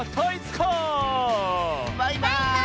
バイバーイ！